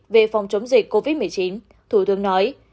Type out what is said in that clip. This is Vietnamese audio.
về phòng chống dịch covid một mươi chín thủ tướng nói